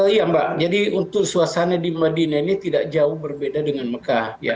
iya mbak jadi untuk suasana di madinah ini tidak jauh berbeda dengan mekah